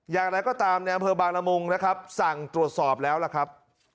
อย่างไรก็ตามในอำเภอบางละมุงนะครับสั่งตรวจสอบแล้วล่ะครับ